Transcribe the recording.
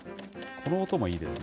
この音もいいですね。